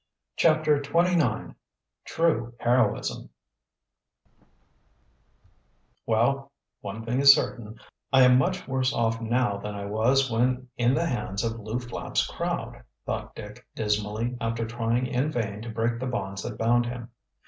CHAPTER XXIX TRUE HEROISM "Well, one thing is certain, I am much worse off now than I was when in the hands of Lew Flapp's crowd," thought Dick dismally, after trying in vain to break the bonds that bound him.